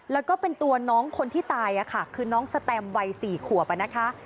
แล้วก็เป็นตัวน้องคนที่ตายค่ะคือน้องสแตมวัย๔ขวบนะคะ